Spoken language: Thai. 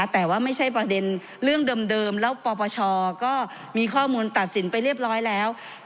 แต่ว่าไม่ใช่ประเด็นเรื่องเดิมแล้วปปชก็มีข้อมูลตัดสินไปเรียบร้อยแล้ว